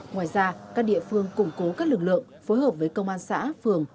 ngoài ra các địa phương củng cố các lực lượng phối hợp với công an xã phường